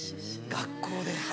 学校で。